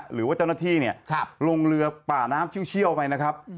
หรือว่าเจ้าหน้าที่เนี่ยลงเรือป่าน้ำเชี่ยวไปนะครับ